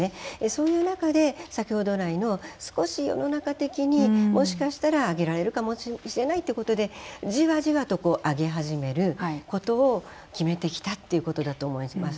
そういう中で先ほど来の少し世の中的にもしかしたら上げられるかもしれないということでじわじわと上げ始めることを決めてきたということだと思います。